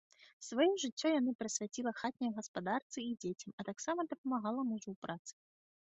Сваё жыццё яна прысвяціла хатняй гаспадарцы і дзецям, а таксама дапамагала мужу ў працы.